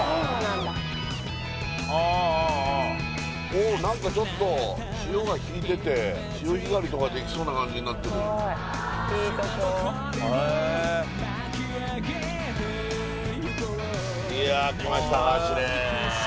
おお何かちょっと潮が引いてて潮干狩りとかできそうな感じになってるいやあ来ました橋です